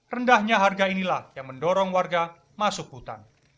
rendahnya harga inilah yang mendorong warga masuk hutan